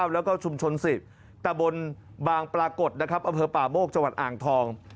แล้วก็ชุมชน๑๐แต่บนบางประกฎเอาเผลอป่ามโมกจอ่างทอง